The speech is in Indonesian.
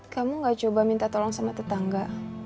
kamu gak coba minta tolong sama tetangga